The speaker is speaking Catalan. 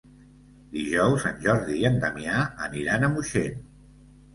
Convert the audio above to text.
Dijous en Jordi i en Damià aniran a Moixent.